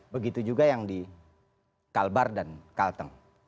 begitu juga yang di kalbar dan kalteng